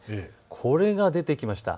これが出てきました。